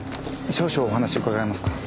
少々お話伺えますか。